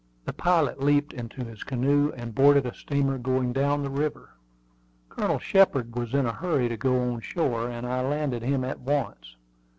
The pilot leaped into his canoe, and boarded a steamer going down the river. Colonel Shepard was in a hurry to go on shore, and I landed him at once.